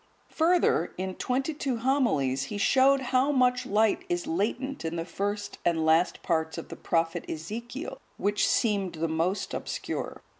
Further, in twenty two homilies, he showed how much light is latent in the first and last parts of the prophet Ezekiel, which seemed the most obscure.